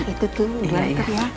itu tuh dua liter ya